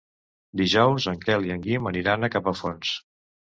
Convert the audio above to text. Dijous en Quel i en Guim aniran a Capafonts.